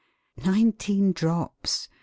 * Nineteen drops !